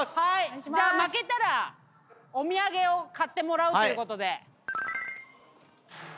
じゃあ負けたらお土産を買ってもらうということで。